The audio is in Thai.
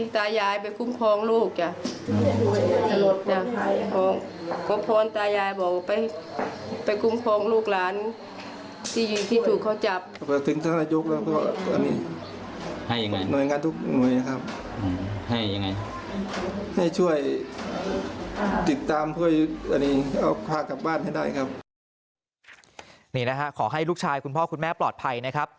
ถึง